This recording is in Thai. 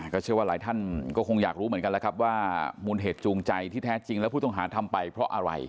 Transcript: ก็เชื่อว่าหลายท่านก็คงอยากรู้เหมือนกันแล้วครับว่ามูลเหตุจูงใจที่แท้จริงแล้วผู้ต้องหาทำไปเพราะอะไร